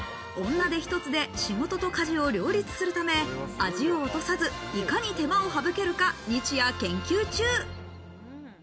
女手一つで仕事と家事を両立するため、味を落とさず、いかに手間を省けるか日夜研究中。